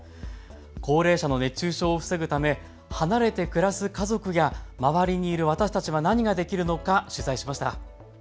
高齢者の熱中症を防ぐため離れて暮らす家族や周りにいる私たちは何ができるのか、取材しました。